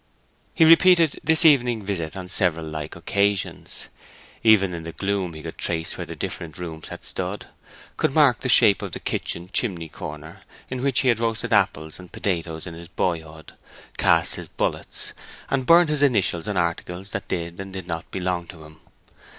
He repeated this evening visit on several like occasions. Even in the gloom he could trace where the different rooms had stood; could mark the shape of the kitchen chimney corner, in which he had roasted apples and potatoes in his boyhood, cast his bullets, and burned his initials on articles that did and did not belong to him.